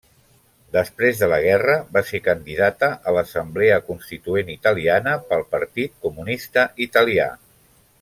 Després de la guerra va ser candidata a l'Assemblea Constituent italiana pel Partit Comunista Italià.